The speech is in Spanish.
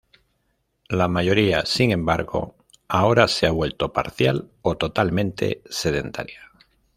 La mayoría, sin embargo, ahora se ha vuelto parcial o totalmente sedentaria.